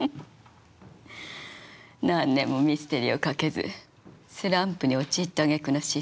何年もミステリーを書けずスランプに陥ったあげくの失踪。